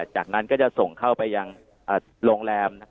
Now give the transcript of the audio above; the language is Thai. จากนั้นก็จะส่งเข้าไปยังโรงแรม